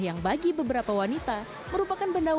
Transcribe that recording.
yang bagi beberapa wanita merupakan benda utama